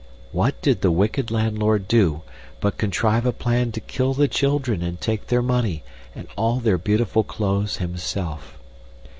What did the wicked landlord do but contrive a plan to kill the children and take their money and all their beautiful clothes himself.